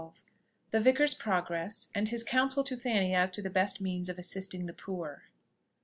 THE VICAR'S PROGRESS, AND HIS COUNSEL TO FANNY AS TO THE BEST MEANS OF ASSISTING THE POOR.